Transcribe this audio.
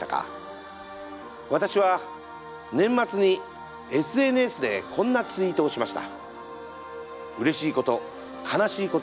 私は年末にＳＮＳでこんなツイートをしました。